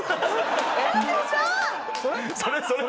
それ？